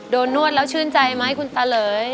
นวดแล้วชื่นใจไหมคุณตาเหลย